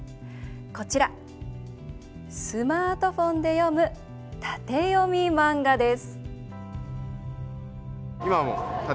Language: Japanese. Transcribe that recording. こちら、スマートフォンで読む縦読み漫画です。